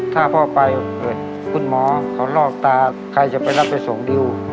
ถ้าพ่อไปเกิดคุณหมอเขาลอกตาใครจะไปรับไปส่งดิว